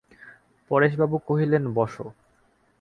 পরেশবাবু কহিলেন, বোসো।